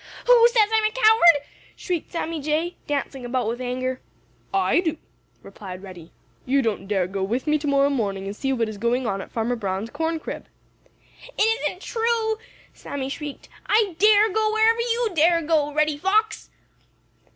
"Who says I'm a coward?" shrieked Sammy Jay, dancing about with anger. "I do," replied Reddy. "You don't dare go with me to morrow morning and see what is going on at Farmer Brown's corn crib." "It isn't true!" Sammy shrieked. "I dare go wherever you dare go, so there, Reddy Fox!"